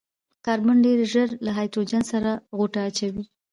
کاربن ډېر ژر له هايډروجن سره غوټه اچوي.